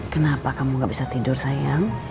kenapa kamu gak bisa tidur sayang